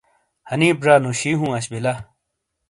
حنیپ ژا نوشیی ہوں اش بلا۔